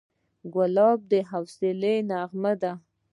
ګلاب د حوصلې نغمه ده.